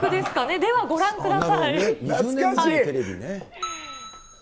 ではご覧ください。